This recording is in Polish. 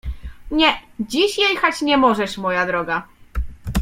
— Nie, dziś jechać nie możesz, moja droga.